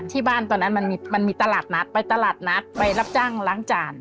ตอนนั้นมันมีตลาดนัดไปตลาดนัดไปรับจ้างล้างจาน